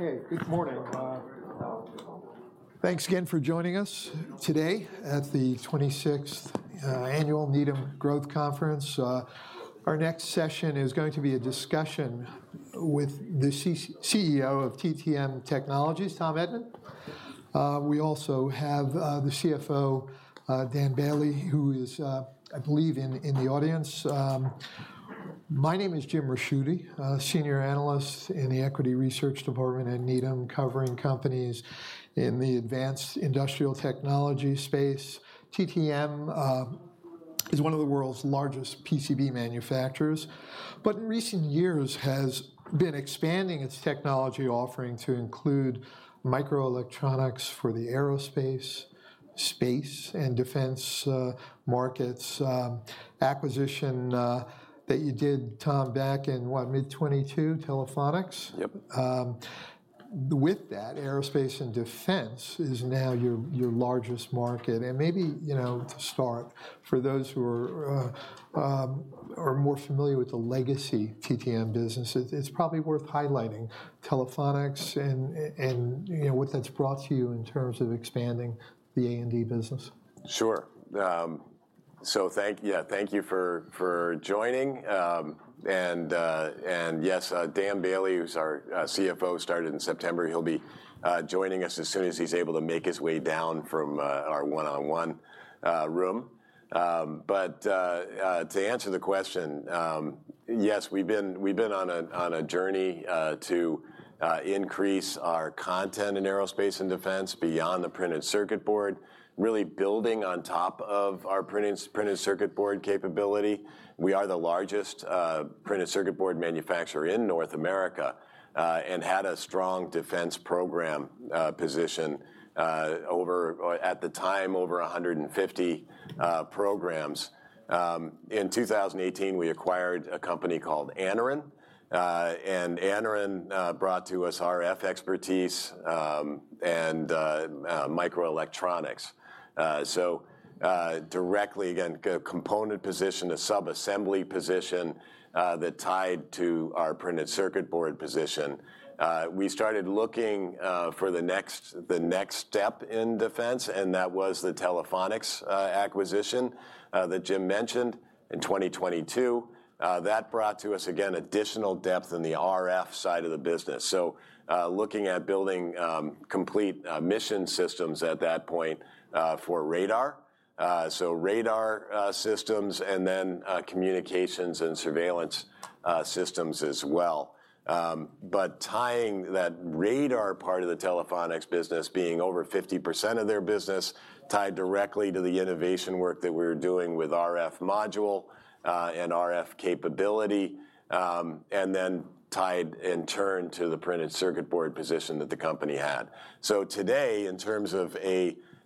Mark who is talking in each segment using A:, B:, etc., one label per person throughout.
A: Okay, good morning. Thanks again for joining us today at the 26th Annual Needham Growth Conference. Our next session is going to be a discussion with the CEO of TTM Technologies, Tom Edman. We also have the CFO, Dan Boehle, who is, I believe, in the audience. My name is Jim Ricchiuti, a senior analyst in the equity research department at Needham, covering companies in the advanced industrial technology space. TTM is one of the world's largest PCB manufacturers, but in recent years has been expanding its technology offering to include microelectronics for the aerospace, space, and defense markets. Acquisition that you did, Tom, back in what? Mid-2022, Telephonics?
B: Yep.
A: With that, aerospace and defense is now your largest market, and maybe, you know, to start, for those who are more familiar with the legacy TTM business, it's probably worth highlighting Telephonics and, you know, what that's brought to you in terms of expanding the A&D business.
B: Sure. So thank, yeah, thank you for joining, and yes, Dan Boehle, who's our CFO, started in September. He'll be joining us as soon as he's able to make his way down from our one-on-one room. But to answer the question, yes, we've been on a journey to increase our content in aerospace and defense beyond the printed circuit board, really building on top of our printed circuit board capability. We are the largest printed circuit board manufacturer in North America, and had a strong defense program position, over, at the time, over 150 programs. In 2018, we acquired a company called Anaren, and Anaren brought to us RF expertise, and microelectronics. So, directly, again, a component position, a sub-assembly position, that tied to our printed circuit board position. We started looking for the next step in defense, and that was the Telephonics acquisition that Jim mentioned in 2022. That brought to us, again, additional depth in the RF side of the business, so looking at building complete mission systems at that point for radar. So radar systems, and then communications and surveillance systems as well. But tying that radar part of the Telephonics business, being over 50% of their business, tied directly to the innovation work that we were doing with RF module and RF capability, and then tied in turn to the printed circuit board position that the company had. So today, in terms of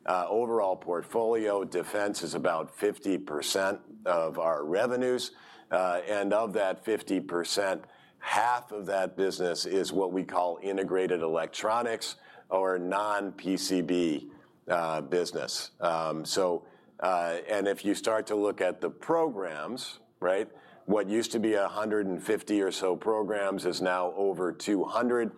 B: overall portfolio, defense is about 50% of our revenues, and of that 50%, half of that business is what we call integrated electronics or non-PCB business. And if you start to look at the programs, right? What used to be 150 or so programs is now over 200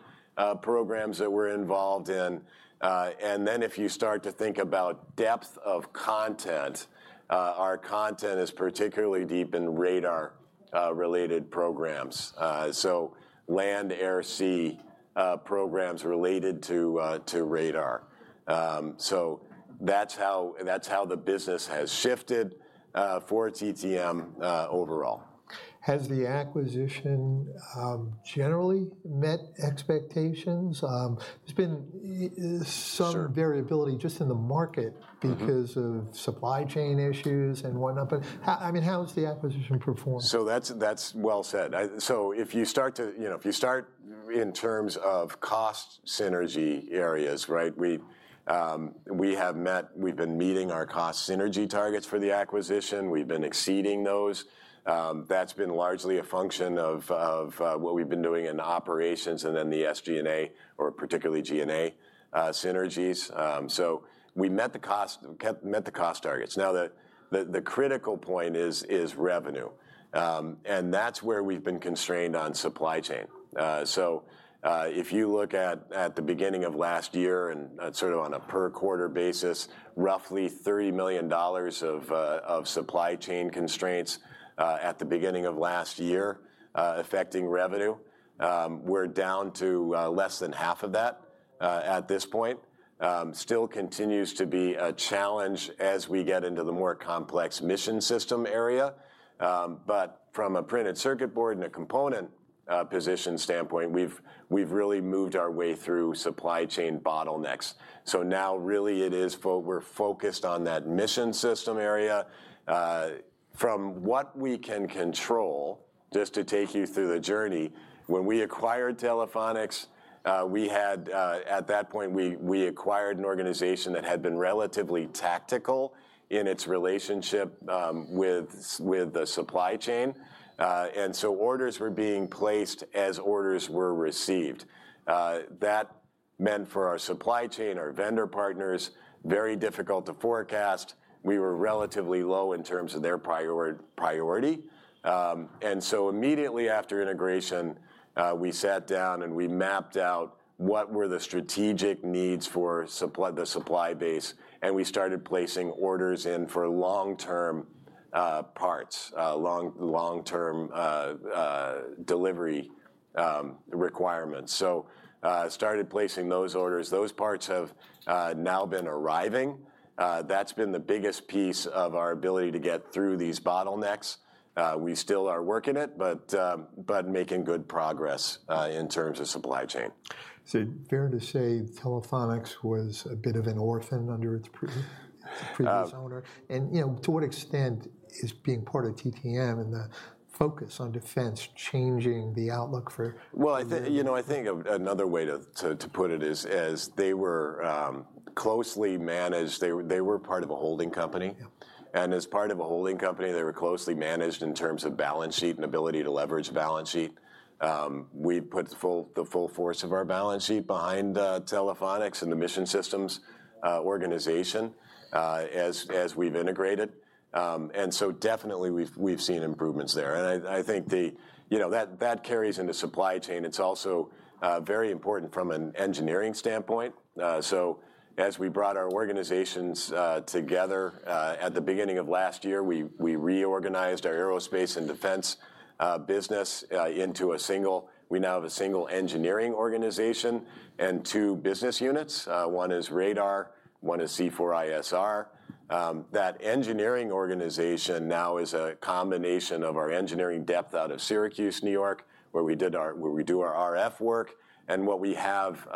B: programs that we're involved in. And then, if you start to think about depth of content, our content is particularly deep in radar related programs. So land, air, sea programs related to radar. So that's how, that's how the business has shifted, for TTM overall.
A: Has the acquisition generally met expectations? There's been
B: Sure...
A: some variability just in the market-
B: Mm-hmm...
A: because of supply chain issues and whatnot, but how, I mean, how has the acquisition performed?
B: So that's well said. So if you start to, you know, if you start in terms of cost synergy areas, right? We have been meeting our cost synergy targets for the acquisition. We've been exceeding those. That's been largely a function of what we've been doing in operations and then the SG&A or particularly G&A synergies. So we met the cost targets. Now, the critical point is revenue, and that's where we've been constrained on supply chain. So if you look at the beginning of last year and sort of on a per-quarter basis, roughly $30 million of supply chain constraints at the beginning of last year affecting revenue. We're down to less than half of that at this point. Still continues to be a challenge as we get into the more complex mission system area. But from a printed circuit board and a component position standpoint, we've really moved our way through supply chain bottlenecks. So now really it is we're focused on that mission system area. From what we can control, just to take you through the journey, when we acquired Telephonics, we had at that point, we acquired an organization that had been relatively tactical in its relationship with the supply chain. And so orders were being placed as orders were received. That meant for our supply chain, our vendor partners, very difficult to forecast. We were relatively low in terms of their priority. And so immediately after integration, we sat down, and we mapped out what were the strategic needs for supply, the supply base, and we started placing orders in for long-term parts, long-term delivery requirements. So, started placing those orders. Those parts have now been arriving. That's been the biggest piece of our ability to get through these bottlenecks. We still are working it, but making good progress in terms of supply chain.
A: Fair to say Telephonics was a bit of an orphan under its pre-
B: Uh-
A: previous owner, and, you know, to what extent is being part of TTM and the focus on defense changing the outlook for-
B: Well, I think, you know, I think of another way to put it is they were closely managed. They were part of a holding company.
A: Yeah.
B: As part of a holding company, they were closely managed in terms of balance sheet and ability to leverage balance sheet. We put the full force of our balance sheet behind Telephonics and the mission systems organization as we've integrated. And so definitely, we've seen improvements there, and I think the... You know, that carries into supply chain. It's also very important from an engineering standpoint. So as we brought our organizations together at the beginning of last year, we reorganized our aerospace and defense business into a single. We now have a single engineering organization and two business units. One is radar, one is C4ISR. That engineering organization now is a combination of our engineering depth out of Syracuse, New York, where we do our RF work, and what we have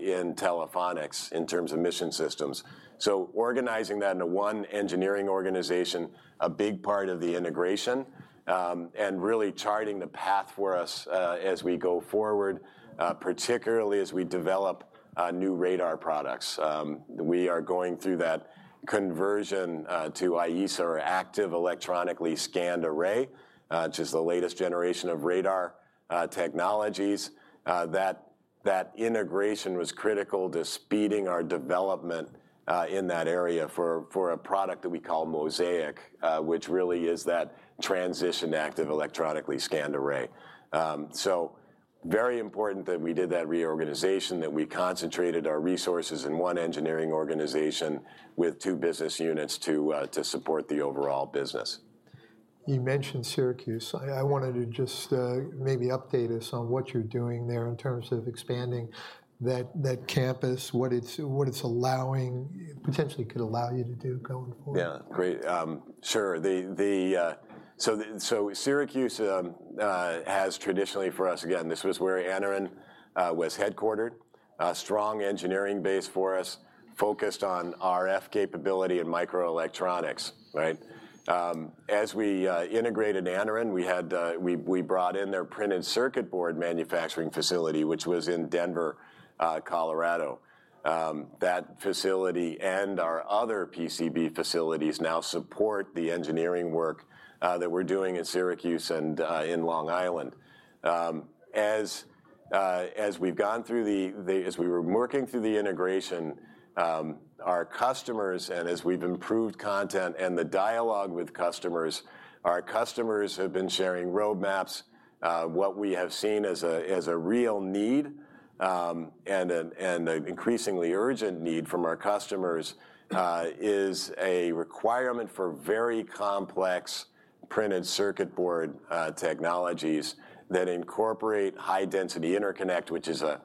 B: in Telephonics in terms of mission systems. So organizing that into one engineering organization, a big part of the integration, and really charting the path for us as we go forward, particularly as we develop new radar products. We are going through that conversion to AESA or active electronically scanned array, which is the latest generation of radar technologies. That integration was critical to speeding our development in that area for a product that we call MOSAIC, which really is that transition to active electronically scanned array. Very important that we did that reorganization, that we concentrated our resources in one engineering organization with two business units to, to support the overall business.
A: You mentioned Syracuse. I wanted to just maybe update us on what you're doing there in terms of expanding that campus, what it's allowing, potentially could allow you to do going forward.
B: Yeah, great. Sure, so Syracuse, as traditionally for us, again, this was where Anaren was headquartered. A strong engineering base for us, focused on RF capability and microelectronics, right? As we integrated Anaren, we brought in their printed circuit board manufacturing facility, which was in Denver, Colorado. That facility and our other PCB facilities now support the engineering work that we're doing in Syracuse and in Long Island. As we've gone through, as we were working through the integration, our customers, and as we've improved content and the dialogue with customers, our customers have been sharing roadmaps. What we have seen as a real need, and an increasingly urgent need from our customers, is a requirement for very complex printed circuit board technologies that incorporate high-density interconnect, which is a.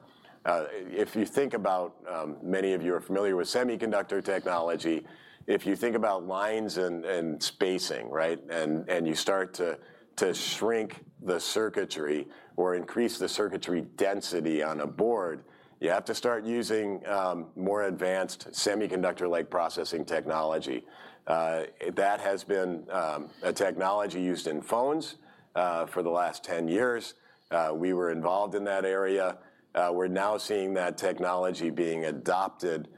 B: If you think about, many of you are familiar with semiconductor technology. If you think about lines and spacing, right? And you start to shrink the circuitry or increase the circuitry density on a board, you have to start using more advanced semiconductor-like processing technology. That has been a technology used in phones for the last 10 years. We were involved in that area. We're now seeing that technology being adopted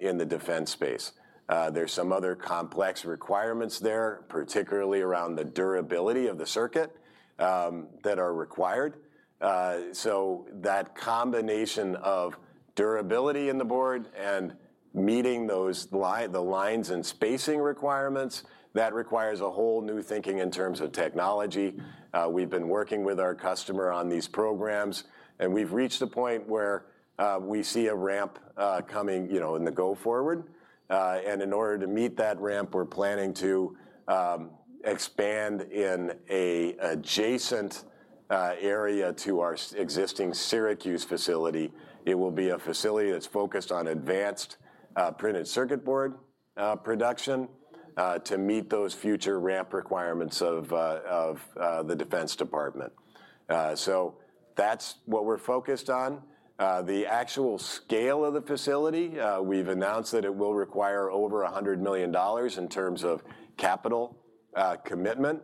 B: in the defense space. There's some other complex requirements there, particularly around the durability of the circuit that are required. So that combination of durability in the board and meeting those lines and spacing requirements, that requires a whole new thinking in terms of technology. We've been working with our customer on these programs, and we've reached a point where we see a ramp coming, you know, in the go forward. And in order to meet that ramp, we're planning to expand in an adjacent area to our existing Syracuse facility. It will be a facility that's focused on advanced printed circuit board production to meet those future ramp requirements of the Defense Department. So that's what we're focused on. The actual scale of the facility, we've announced that it will require over $100 million in terms of capital commitment.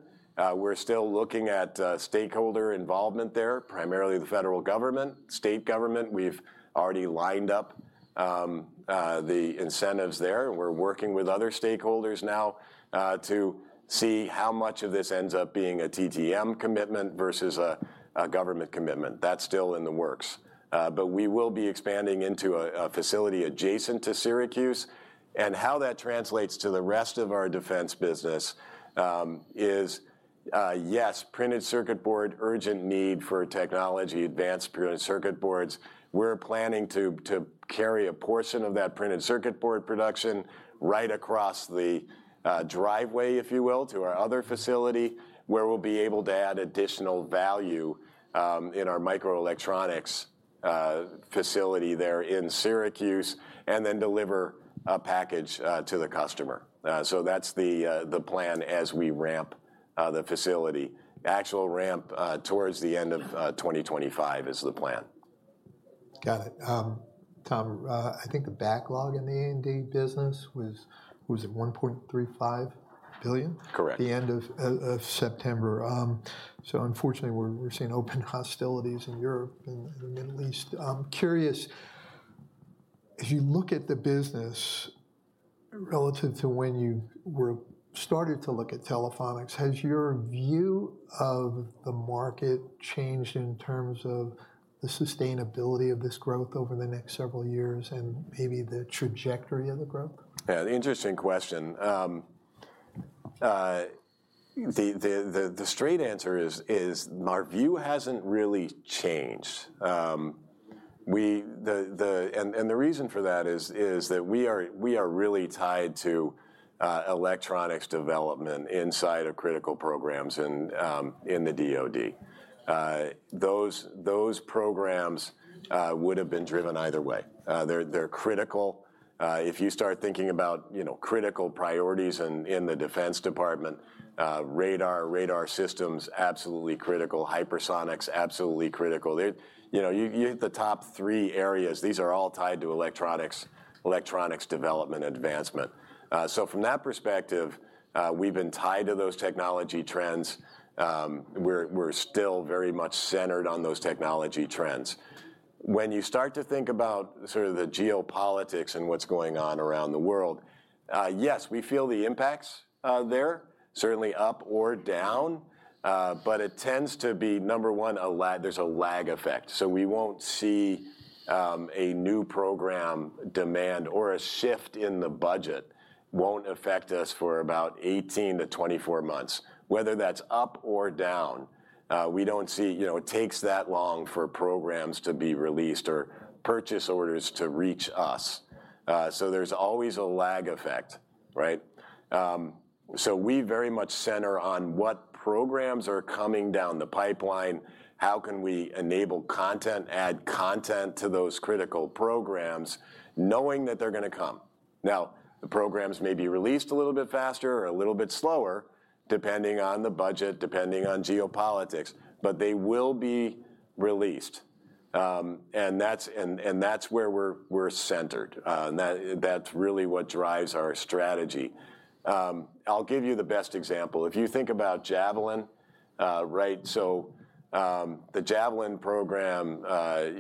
B: We're still looking at stakeholder involvement there, primarily the federal government, state government. We've already lined up the incentives there, and we're working with other stakeholders now to see how much of this ends up being a TTM commitment versus a government commitment. That's still in the works. But we will be expanding into a facility adjacent to Syracuse, and how that translates to the rest of our defense business is yes, printed circuit board, urgent need for technology, advanced printed circuit boards. We're planning to carry a portion of that printed circuit board production right across the driveway, if you will, to our other facility, where we'll be able to add additional value in our microelectronics facility there in Syracuse, and then deliver a package to the customer. So that's the plan as we ramp the facility. Actual ramp towards the end of 2025 is the plan.
A: Got it. Tom, I think the backlog in the A&D business was it $1.35 billion?
B: Correct.
A: The end of September. So unfortunately, we're seeing open hostilities in Europe and in the Middle East. I'm curious, as you look at the business relative to when you were starting to look at Telephonics, has your view of the market changed in terms of the sustainability of this growth over the next several years and maybe the trajectory of the growth?
B: Yeah, the interesting question. The straight answer is our view hasn't really changed. The reason for that is that we are really tied to electronics development inside of critical programs and in the DoD. Those programs would've been driven either way. They're critical. If you start thinking about, you know, critical priorities in the Defense Department, radar systems, absolutely critical. Hypersonics, absolutely critical. They, you know, you hit the top three areas. These are all tied to electronics development advancement. So from that perspective, we've been tied to those technology trends. We're still very much centered on those technology trends. When you start to think about sort of the geopolitics and what's going on around the world, yes, we feel the impacts, there, certainly up or down, but it tends to be, number one, a lag. There's a lag effect. So we won't see, a new program demand or a shift in the budget won't affect us for about 18 to 24 months. Whether that's up or down, we don't see-- You know, it takes that long for programs to be released or purchase orders to reach us. So there's always a lag effect, right? So we very much center on what programs are coming down the pipeline, how can we enable content, add content to those critical programs, knowing that they're gonna come. Now, the programs may be released a little bit faster or a little bit slower, depending on the budget, depending on geopolitics, but they will be released. And that's where we're centered. And that's really what drives our strategy. I'll give you the best example. If you think about Javelin, right? So, the Javelin program,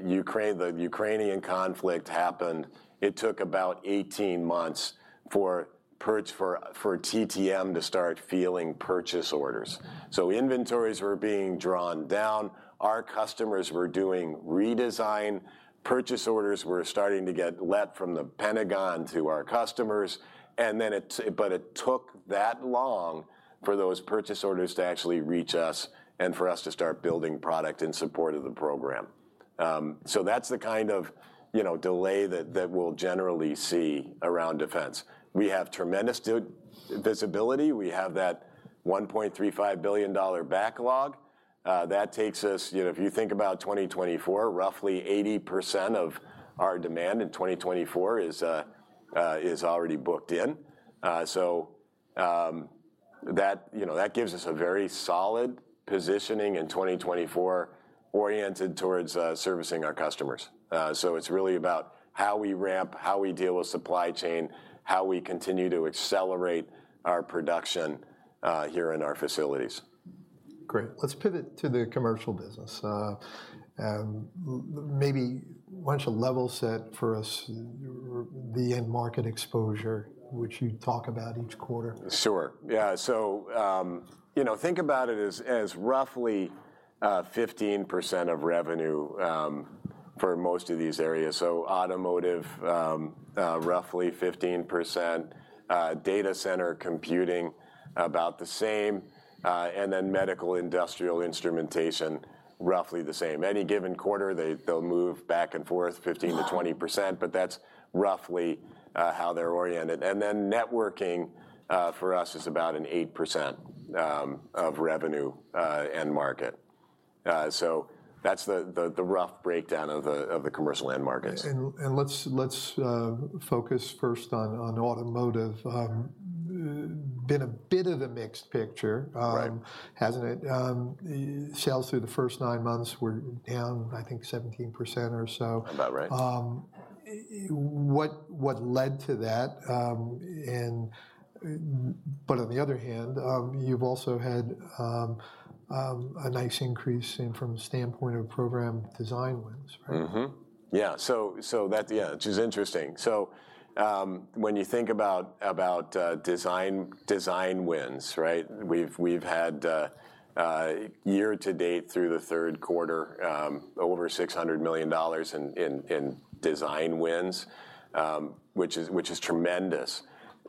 B: Ukraine, the Ukrainian conflict happened, it took about 18 months for TTM to start feeling purchase orders. So inventories were being drawn down, our customers were doing redesign, purchase orders were starting to get let from the Pentagon to our customers, and then it... But it took that long for those purchase orders to actually reach us and for us to start building product in support of the program. So that's the kind of, you know, delay that, that we'll generally see around defense. We have tremendous visibility. We have that $1.35 billion backlog. That takes us... You know, if you think about 2024, roughly 80% of our demand in 2024 is already booked in. So, that, you know, that gives us a very solid positioning in 2024, oriented towards servicing our customers. So it's really about how we ramp, how we deal with supply chain, how we continue to accelerate our production here in our facilities.
A: Great. Let's pivot to the commercial business. Maybe why don't you level set for us the end market exposure, which you talk about each quarter?
B: Sure, yeah. So, you know, think about it as, as roughly, 15% of revenue, for most of these areas. So automotive, roughly 15%, data center computing about the same, and then medical industrial instrumentation, roughly the same. Any given quarter, they'll move back and forth 15%-20%, but that's roughly, how they're oriented. And then networking, for us, is about an 8% of revenue, end market. That's the rough breakdown of the commercial end markets.
A: Let's focus first on automotive. Been a bit of a mixed picture-
B: Right...
A: hasn't it? Sales through the first nine months were down, I think, 17% or so.
B: About right.
A: What led to that? But on the other hand, you've also had a nice increase in from the standpoint of program design wins, right?
B: Mm-hmm. Yeah, so that, yeah, which is interesting. So, when you think about design wins, right? We've had year to date through the third quarter over $600 million in design wins, which is tremendous.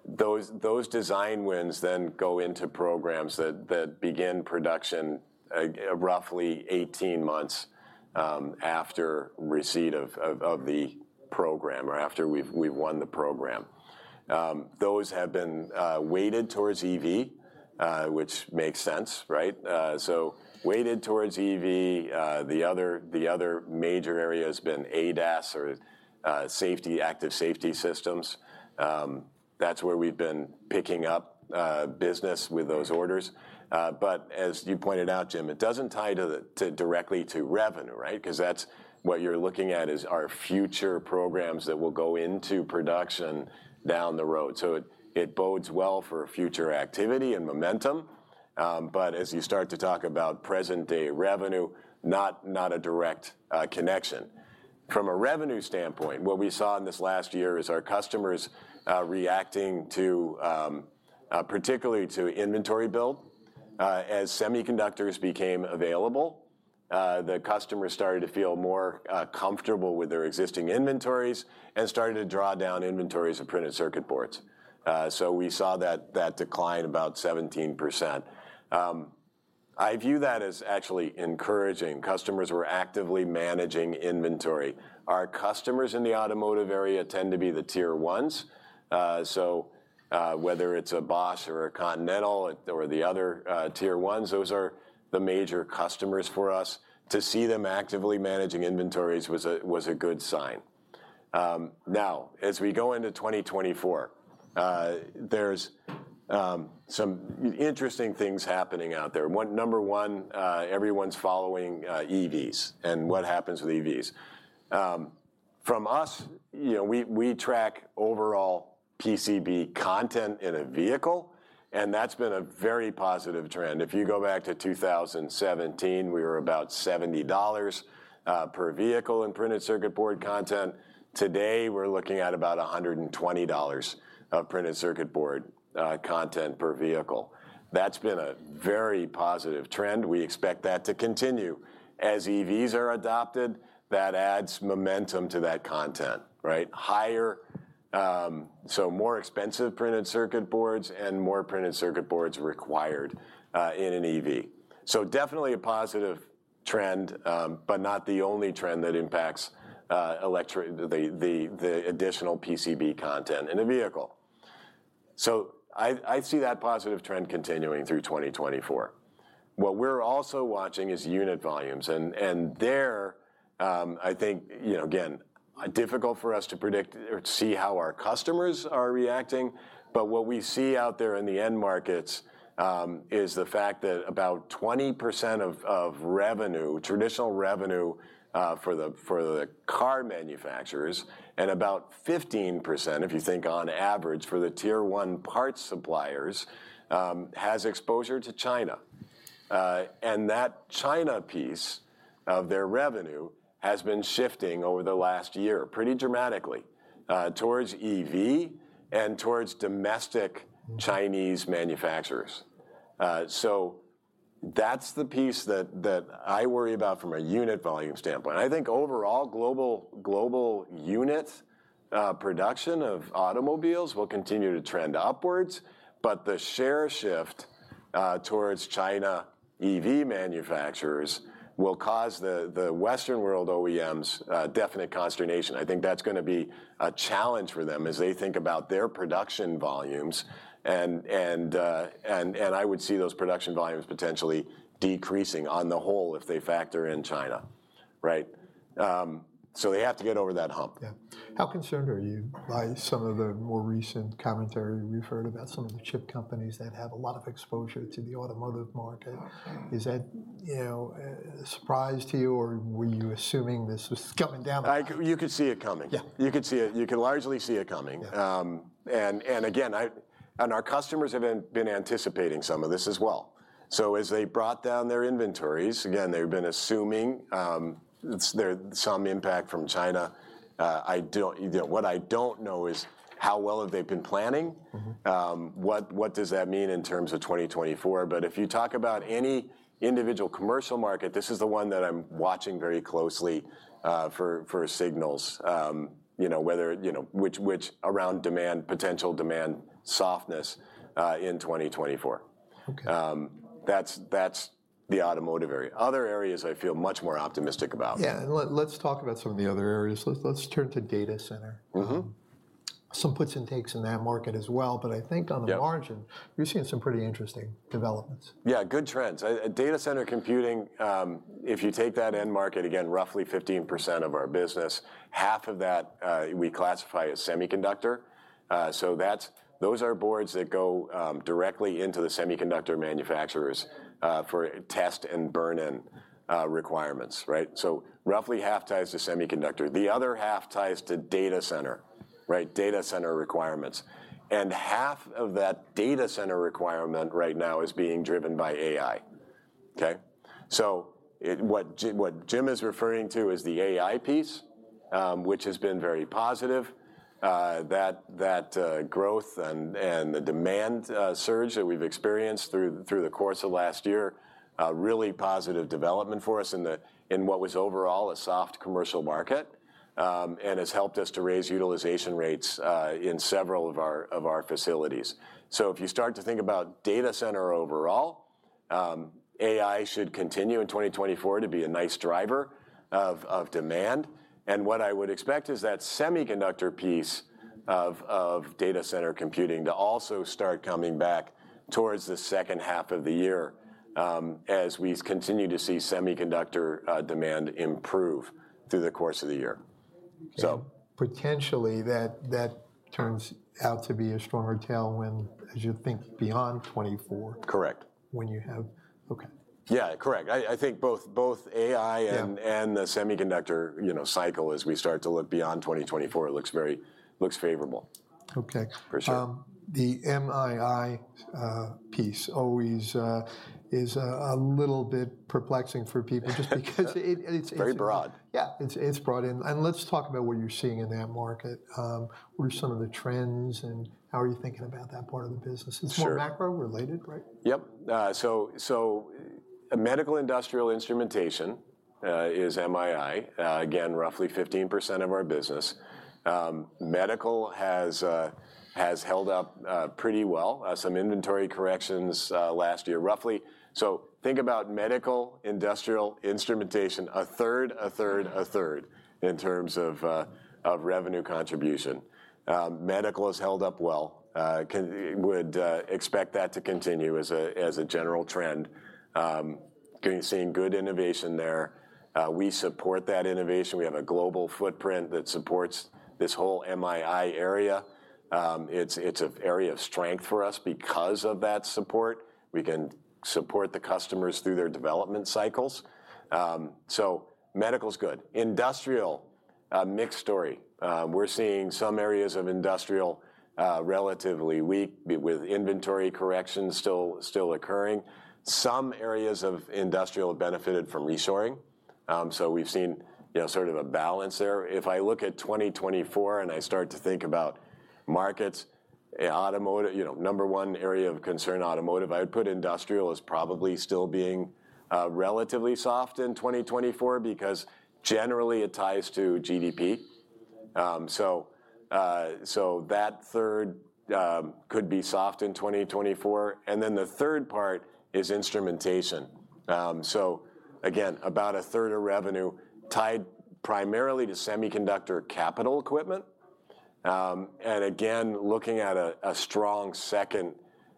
B: Those design wins then go into programs that begin production roughly 18 months after receipt of the program or after we've won the program. Those have been weighted towards EV, which makes sense, right? So weighted towards EV. The other major area has been ADAS or safety, active safety systems. That's where we've been picking up business with those orders. But as you pointed out, Jim, it doesn't tie directly to revenue, right? 'Cause that's what you're looking at, is our future programs that will go into production down the road. So it bodes well for future activity and momentum. But as you start to talk about present-day revenue, not a direct connection. From a revenue standpoint, what we saw in this last year is our customers reacting to, particularly to inventory build. As semiconductors became available, the customers started to feel more comfortable with their existing inventories and started to draw down inventories of printed circuit boards. So we saw that decline about 17%. I view that as actually encouraging. Customers were actively managing inventory. Our customers in the automotive area tend to be the Tier 1s. So, whether it's a Bosch or a Continental, or the other Tier 1s, those are the major customers for us. To see them actively managing inventories was a good sign. Now, as we go into 2024, there's some interesting things happening out there. Number one, everyone's following EVs and what happens with EVs. From us, you know, we track overall PCB content in a vehicle, and that's been a very positive trend. If you go back to 2017, we were about $70 per vehicle in printed circuit board content. Today, we're looking at about $120 of printed circuit board content per vehicle. That's been a very positive trend. We expect that to continue. As EVs are adopted, that adds momentum to that content, right? Higher, so more expensive printed circuit boards and more printed circuit boards required in an EV. So definitely a positive trend, but not the only trend that impacts the additional PCB content in a vehicle. So I see that positive trend continuing through 2024. What we're also watching is unit volumes, and there, I think, you know, again, difficult for us to predict or to see how our customers are reacting, but what we see out there in the end markets is the fact that about 20% of revenue, traditional revenue, for the car manufacturers and about 15%, if you think on average for the Tier 1 parts suppliers, has exposure to China. That China piece of their revenue has been shifting over the last year pretty dramatically towards EV and towards domestic Chinese manufacturers. So that's the piece that I worry about from a unit volume standpoint. I think overall global unit production of automobiles will continue to trend upwards, but the share shift towards China EV manufacturers will cause the Western world OEMs definite consternation. I think that's gonna be a challenge for them as they think about their production volumes. And I would see those production volumes potentially decreasing on the whole if they factor in China, right? So they have to get over that hump.
A: Yeah. How concerned are you by some of the more recent commentary we've heard about some of the chip companies that have a lot of exposure to the automotive market? Is that, you know, a surprise to you, or were you assuming this was coming down the pipe?
B: You could see it coming.
A: Yeah.
B: You could see it. You can largely see it coming.
A: Yeah.
B: And again, our customers have been anticipating some of this as well. So as they brought down their inventories, again, they've been assuming there's some impact from China. What I don't know is how well have they been planning?
A: Mm-hmm.
B: What does that mean in terms of 2024? But if you talk about any individual commercial market, this is the one that I'm watching very closely for signals. You know, whether you know which around demand, potential demand softness in 2024.
A: Okay.
B: That's the automotive area. Other areas I feel much more optimistic about.
A: Yeah. Let's talk about some of the other areas. Let's turn to data center.
B: Mm-hmm....
A: some puts and takes in that market as well, but I think on-
B: Yeah
A: the margin, you're seeing some pretty interesting developments.
B: Yeah, good trends. Data center computing, if you take that end market, again, roughly 15% of our business, half of that, we classify as semiconductor. So that's those are boards that go directly into the semiconductor manufacturers for test and burn-in requirements, right? So roughly half ties to semiconductor. The other half ties to data center, right? Data center requirements, and half of that data center requirement right now is being driven by AI, okay? So it what Jim, what Jim is referring to is the AI piece, which has been very positive. That growth and the demand surge that we've experienced through the course of last year, a really positive development for us in what was overall a soft commercial market, and has helped us to raise utilization rates in several of our facilities. So if you start to think about data center overall, AI should continue in 2024 to be a nice driver of demand, and what I would expect is that semiconductor piece of data center computing to also start coming back towards the second half of the year, as we continue to see semiconductor demand improve through the course of the year. So-
A: Potentially, that turns out to be a stronger tailwind as you think beyond 2024.
B: Correct.
A: When you have... Okay.
B: Yeah, correct. I think both AI and-
A: Yeah
B: The semiconductor, you know, cycle as we start to look beyond 2024, it looks very favorable.
A: Okay.
B: For sure.
A: The MII piece always is a little bit perplexing for people, just because it's.
B: Very broad.
A: Yeah. It's, it's broad, and let's talk about what you're seeing in that market. What are some of the trends, and how are you thinking about that part of the business?
B: Sure.
A: It's more macro-related, right?
B: Yep. So, so medical industrial instrumentation is MII, again, roughly 15% of our business. Medical has held up pretty well. Some inventory corrections last year, roughly. So think about medical industrial instrumentation, a third, a third, a third in terms of of revenue contribution. Medical has held up well. Would expect that to continue as a general trend. Seeing good innovation there. We support that innovation. We have a global footprint that supports this whole MII area. It's an area of strength for us because of that support. We can support the customers through their development cycles. So medical's good. Industrial, a mixed story. We're seeing some areas of industrial relatively weak, with inventory corrections still occurring. Some areas of industrial benefited from reshoring. So we've seen, you know, sort of a balance there. If I look at 2024, and I start to think about markets, automotive, you know, number one area of concern, automotive, I would put industrial as probably still being relatively soft in 2024 because generally it ties to GDP. So that third could be soft in 2024, and then the third part is instrumentation. So again, about a third of revenue tied primarily to semiconductor capital equipment, and again, looking at a strong second,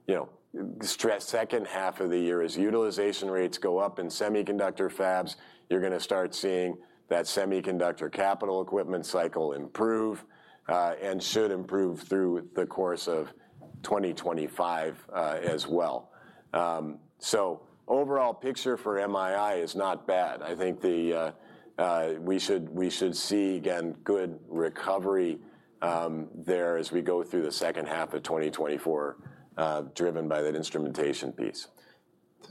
B: you know, second half of the year. As utilization rates go up in semiconductor fabs, you're gonna start seeing that semiconductor capital equipment cycle improve, and should improve through the course of 2025, as well. So overall picture for MII is not bad. I think we should see, again, good recovery there as we go through the second half of 2024, driven by that instrumentation piece.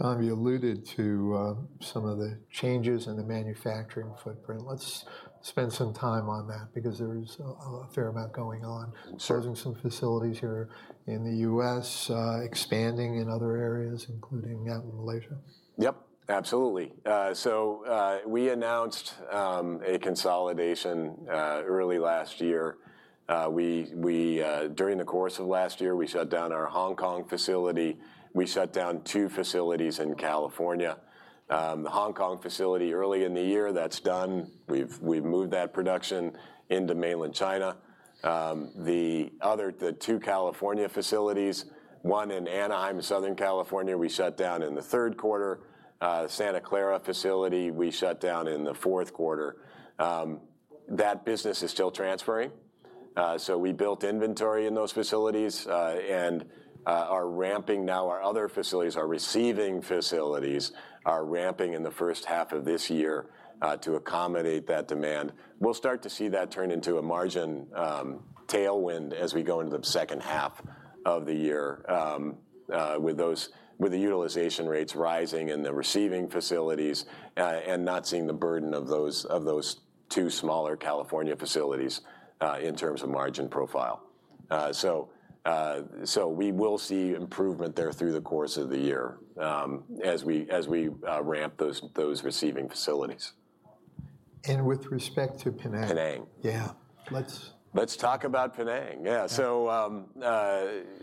A: Tom, you alluded to some of the changes in the manufacturing footprint. Let's spend some time on that because there is a fair amount going on.
B: Sure.
A: Closing some facilities here in the U.S., expanding in other areas, including out in Malaysia.
B: Yep, absolutely. So, we announced a consolidation early last year. We, during the course of last year, we shut down our Hong Kong facility. We shut down two facilities in California. The Hong Kong facility early in the year, that's done. We've moved that production into mainland China. The other, the two California facilities, one in Anaheim in Southern California, we shut down in the third quarter. Santa Clara facility, we shut down in the fourth quarter. That business is still transferring, so we built inventory in those facilities and are ramping now. Our other facilities, our receiving facilities, are ramping in the first half of this year to accommodate that demand. We'll start to see that turn into a margin tailwind as we go into the second half of the year with the utilization rates rising in the receiving facilities and not seeing the burden of those two smaller California facilities in terms of margin profile. So we will see improvement there through the course of the year as we ramp those receiving facilities.
A: With respect to Penang-
B: Penang.
A: Yeah. Let's-
B: Let's talk about Penang. Yeah, so,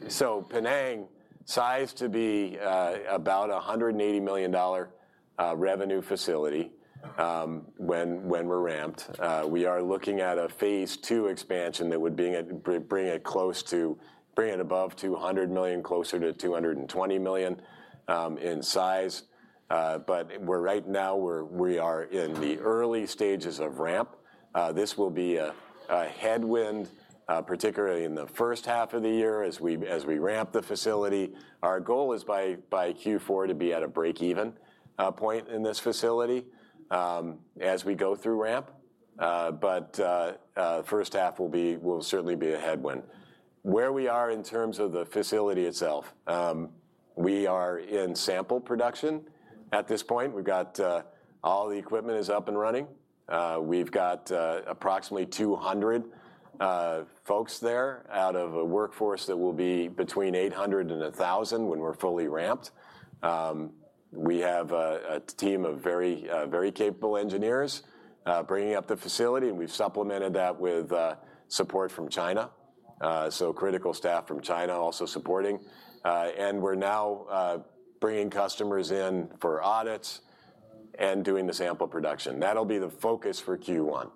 B: so Penang, sized to be about a $180 million revenue facility when we're ramped. We are looking at a phase two expansion that would bring it above $200 million, closer to $220 million in size. But right now, we're in the early stages of ramp. This will be a headwind, particularly in the first half of the year as we ramp the facility. Our goal is by Q4 to be at a break-even point in this facility as we go through ramp. But first half will certainly be a headwind. Where we are in terms of the facility itself, we are in sample production at this point. We've got, all the equipment is up and running. We've got, approximately 200 folks there out of a workforce that will be between 800 and 1,000 when we're fully ramped. We have a team of very, very capable engineers, bringing up the facility, and we've supplemented that with, support from China. So critical staff from China also supporting. And we're now, bringing customers in for audits and doing the sample production. That'll be the focus for Q1,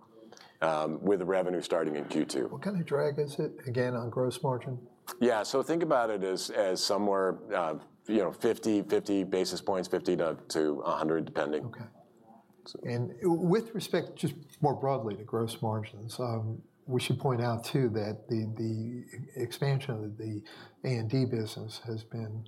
B: with the revenue starting in Q2.
A: What kind of drag is it, again, on gross margin?
B: Yeah. So think about it as somewhere, you know, 50-50 basis points, 50-100, depending.
A: Okay. And with respect, just more broadly, to gross margins, we should point out, too, that the expansion of the A&D business has been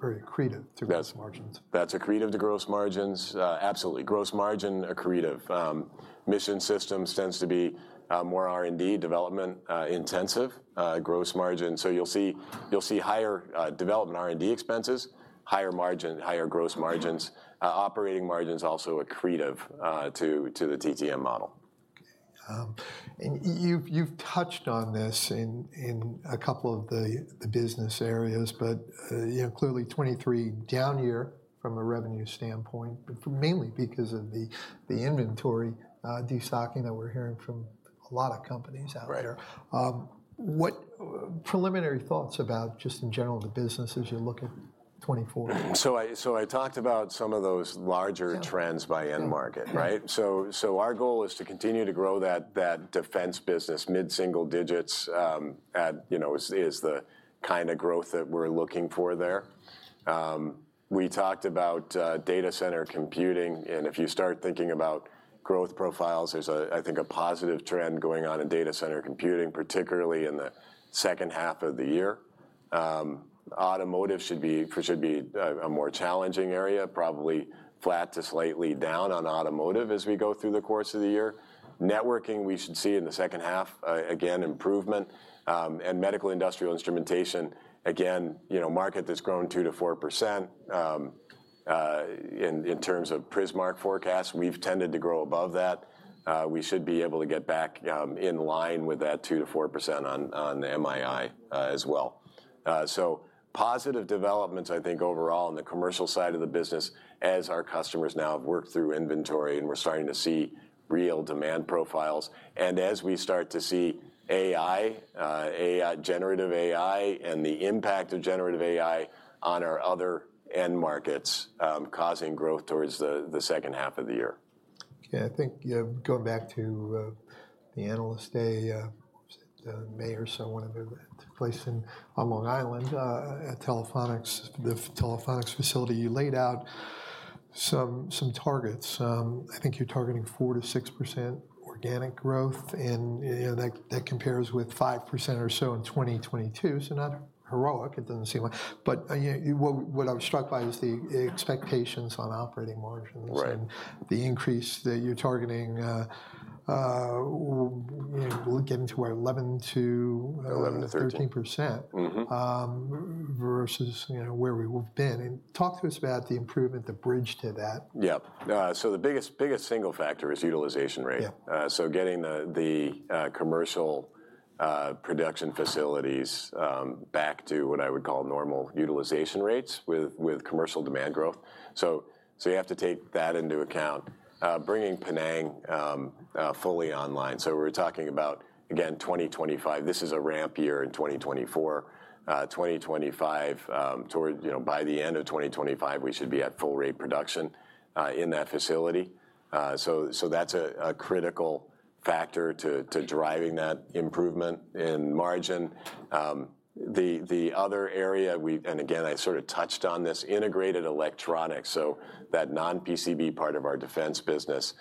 A: very accretive-
B: That's-
A: To gross margins.
B: That's accretive to gross margins. Absolutely. Gross margin, accretive. Mission systems tends to be more R&D development intensive gross margin. So you'll see, you'll see higher development R&D expenses, higher margin, higher gross margins, operating margins also accretive to the TTM model.
A: Okay, and you've touched on this in a couple of the business areas, but you know, clearly 2023, down year from a revenue standpoint, but mainly because of the inventory destocking that we're hearing from a lot of companies out there.
B: Right.
A: What preliminary thoughts about, just in general, the business as you look at 2024?
B: So I talked about some of those larger-
A: Yeah...
B: trends by end market, right?
A: Yeah.
B: So our goal is to continue to grow that defense business, mid-single digits, you know, is the kind of growth that we're looking for there. We talked about data center computing, and if you start thinking about growth profiles, there's, I think, a positive trend going on in data center computing, particularly in the second half of the year. Automotive should be a more challenging area, probably flat to slightly down on automotive as we go through the course of the year. Networking, we should see in the second half, again, improvement. And medical industrial instrumentation, again, you know, market that's growing 2%-4%. In terms of Prismark forecast, we've tended to grow above that. We should be able to get back in line with that 2%-4% on the MII as well. So positive developments, I think, overall on the commercial side of the business, as our customers now have worked through inventory, and we're starting to see real demand profiles. And as we start to see AI, AI, generative AI, and the impact of generative AI on our other end markets, causing growth towards the second half of the year.
A: Okay, I think, going back to the analyst day, was it May or so, whenever it took place in on Long Island, at Telephonics, the Telephonics facility, you laid out some, some targets. I think you're targeting 4%-6% organic growth, and, you know, that, that compares with 5% or so in 2022. So not heroic, it doesn't seem like, but, yeah, what, what I was struck by was the, the expectations on operating margins-
B: Right...
A: and the increase that you're targeting, you know, getting to our 11 to-
B: 11 to 13...
A: 13%.
B: Mm-hmm.
A: Versus, you know, where we've been. And talk to us about the improvement, the bridge to that.
B: Yep. So the biggest, biggest single factor is utilization rate.
A: Yeah.
B: So getting the commercial production facilities back to what I would call normal utilization rates with commercial demand growth. So you have to take that into account. Bringing Penang fully online. So we're talking about, again, 2025. This is a ramp year in 2024. 2025, toward... You know, by the end of 2025, we should be at full rate production in that facility. So that's a critical factor to-
A: Right...
B: to driving that improvement in margin. The other area we, and again, I sort of touched on this, integrated electronics, so that non-PCB part of our defense business.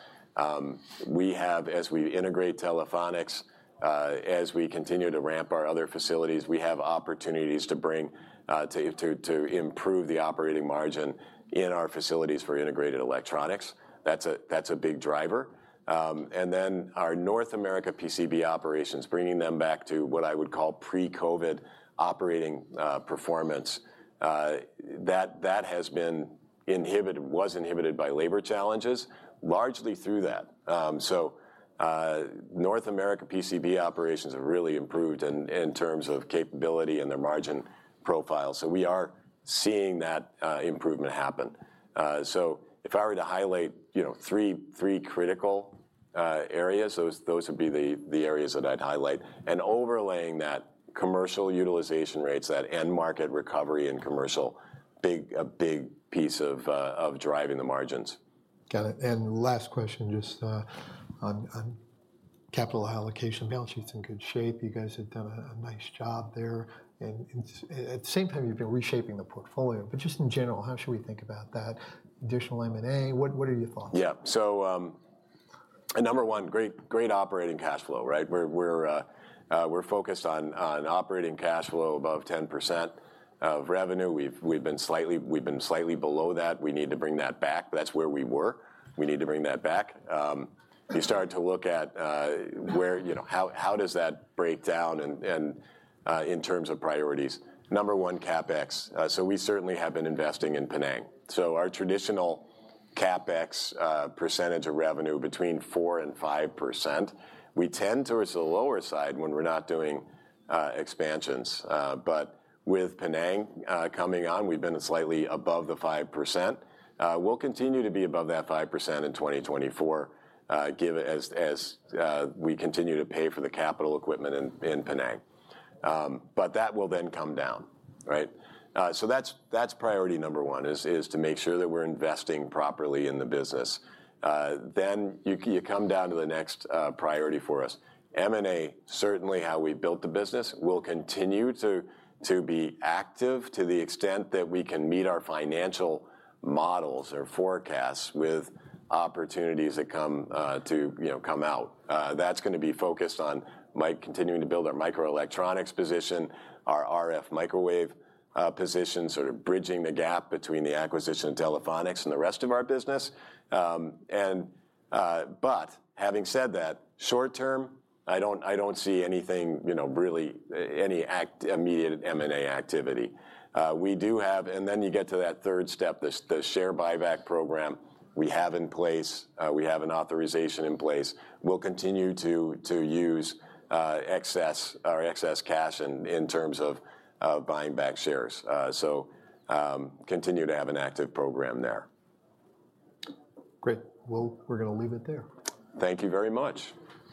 B: We have, as we integrate Telephonics, as we continue to ramp our opportunity to bring to improve the operating margin in our facilities for integrated electronics, that's a big driver. And then our North America PCB operations, bringing them back to what I would call pre-COVID operating performance. That has been inhibited, was inhibited by labor challenges, largely through that. So, North America PCB operations have really improved in terms of capability and their margin profile. So we are seeing that improvement happen. So if I were to highlight, you know, three critical-... Areas, those would be the areas that I'd highlight. And overlaying that, commercial utilization rates, that end market recovery and commercial, big, a big piece of driving the margins.
A: Got it, and last question, just on capital allocation. Balance sheet's in good shape. You guys have done a nice job there, and at the same time, you've been reshaping the portfolio. But just in general, how should we think about that, additional M&A? What are your thoughts?
B: Yeah. So, and number one, great, great operating cash flow, right? We're, we're, we're focused on operating cash flow above 10% of revenue. We've, we've been slightly-- We've been slightly below that. We need to bring that back. That's where we were. We need to bring that back. You start to look at, where, you know, how, how does that break down and, and, in terms of priorities? Number one, CapEx. So we certainly have been investing in Penang. So our traditional CapEx percentage of revenue between 4% and 5%, we tend towards the lower side when we're not doing expansions. But with Penang coming on, we've been slightly above the 5%. We'll continue to be above that 5% in 2024, given as we continue to pay for the capital equipment in Penang. But that will then come down, right? So that's priority number one, is to make sure that we're investing properly in the business. Then you come down to the next priority for us. M&A, certainly how we built the business, will continue to be active to the extent that we can meet our financial models or forecasts with opportunities that come, you know, come out. That's gonna be focused on continuing to build our microelectronics position, our RF microwave position, sort of bridging the gap between the acquisition of Telephonics and the rest of our business. But having said that, short term, I don't see anything, you know, really, any immediate M&A activity. We do have... And then you get to that third step, the share buyback program we have in place. We have an authorization in place. We'll continue to use our excess cash in terms of buying back shares. So, continue to have an active program there.
A: Great. Well, we're gonna leave it there.
B: Thank you very much.